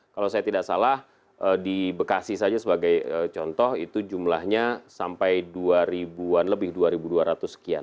kalau saya tidak salah di bekasi saja sebagai contoh itu jumlahnya sampai dua ribu an lebih dua dua ratus sekian